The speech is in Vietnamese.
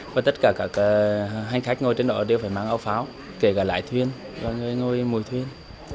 và tất cả các hành khách ngồi trên đó đều phải mang ảo pháo kể cả lái thuyền người ngồi mùi thuyền